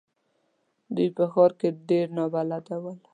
دوی په ښار کې ډېر نابلده ول.